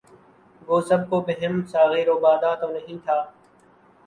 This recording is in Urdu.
گو سب کو بہم ساغر و بادہ تو نہیں تھا